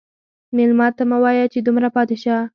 مېلمه ته مه وایه چې دومره پاتې شه.